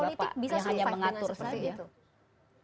tapi dalam politik bisa survive dengan seperti itu